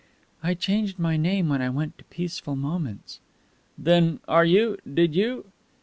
"I changed my name when I went to Peaceful Moments." "Then are you did you